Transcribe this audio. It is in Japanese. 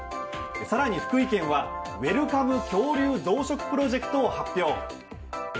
更に福井県はウェルカム恐竜増殖プロジェクトを発表。